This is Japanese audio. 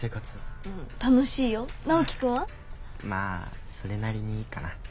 まあそれなりにかな。